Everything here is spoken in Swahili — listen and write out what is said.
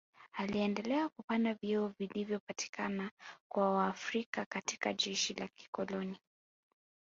Aliendelea kupanda vyeo vilivyopatikana kwa Waafrika katika jeshi la kikoloni